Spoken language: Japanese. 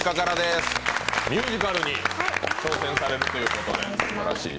ミュージカルに挑戦されるということで、すばらしい。